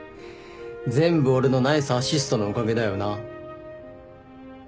全部俺のナイスアシストのおかげだよな。